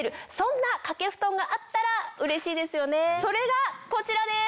それがこちらです！